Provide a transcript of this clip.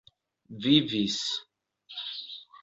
vivis